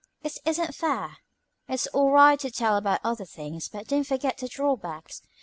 It isn't fair. It's all right to tell about the other things, but don't forget the drawbacks.